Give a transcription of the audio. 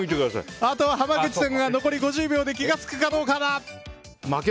あとは濱口さんが残り５０秒で気づくかどうか。